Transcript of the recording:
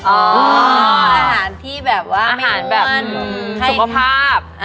อาหารที่แบบว่าอาหารแบบสุขภาพ